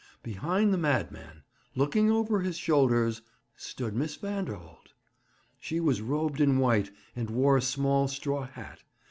Behind the madman, looking over his shoulders, stood Miss Vanderholt. She was robed in white, and wore a small straw hat.